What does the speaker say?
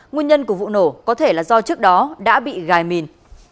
nguyên nhân của vụ nổ có thể là do trước đó đã bị gài mìn